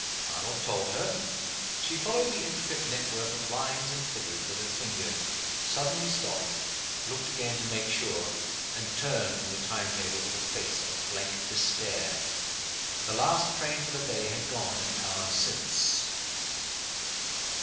Arnold told her. She followed the intricate net work of lines and figures with her finger suddenly stopped looked again to make sure and turned from the time table with a face of blank despair. The last train for the day had gone an hour since.